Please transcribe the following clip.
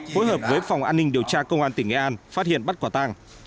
hối hợp với phòng an ninh điều tra công an tỉnh nghệ an phát hiện bắt quả tăng